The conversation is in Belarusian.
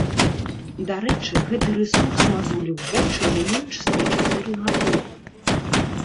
Дарэчы, гэты рэсурс мазоліў вочы не менш за чатыры гады.